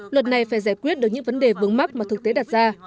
luật này phải giải quyết được những vấn đề vướng mắt mà thực tế đặt ra